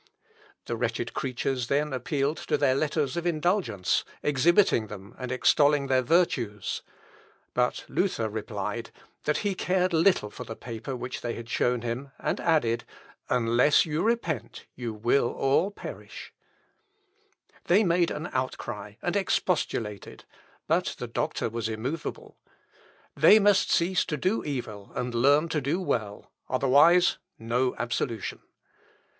The wretched creatures then appealed to their letters of indulgence, exhibiting them and extolling their virtues. But Luther replied, that he cared little for the paper which they had shown him, and added, unless you repent, you will all perish. They made an outcry, and expostulated, but the doctor was immovable; "they must cease to do evil, and learn to do well, ... otherwise no absolution."